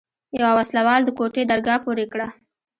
يوه وسله وال د کوټې درګاه پورې کړه.